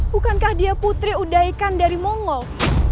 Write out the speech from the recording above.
bukankah dia putri udaikan dari mongok